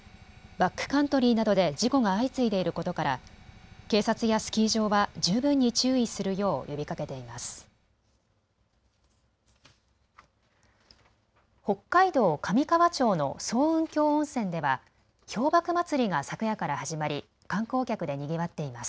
バックカントリーなどで事故が相次いでいることから警察やスキー場は十分に注意するよう呼びかけています。